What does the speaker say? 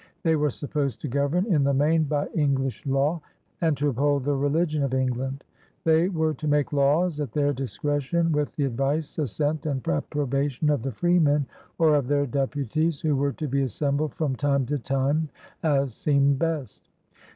They were supposed to govern, in the main, by English law and to uphold the religion of England. They were to make laws at their discretion, with '^the advice, assent, and approbation of the freemen, or of their deputies, who were to be assembled from time to time as seemed best.